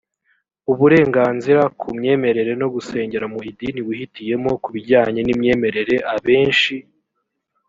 uburenganzira ku myemerere no gusengera mu idini wihitiyemo ku bijyanye n imyemerere abenshi